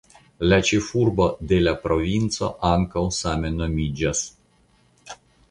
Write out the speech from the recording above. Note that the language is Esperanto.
La ĉefurbo de la provinco ankaŭ same nomiĝas.